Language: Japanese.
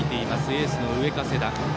エースの上加世田。